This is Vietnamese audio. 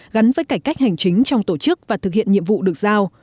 gắn với cải cách hành chính trong tổ chức và thực hiện nhiệm vụ được giao